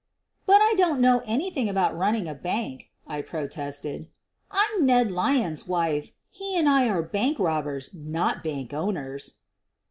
"But I don't know anything about running a bank, '' I protested. " I 'm Ned Lyons 's wife — he and I are bank robbers, not bank owners."